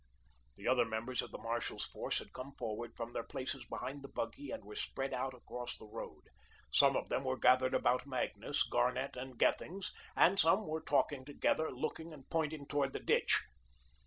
The other members of the marshal's force had come forward from their places behind the buggy and were spread out across the road. Some of them were gathered about Magnus, Garnett, and Gethings; and some were talking together, looking and pointing towards the ditch.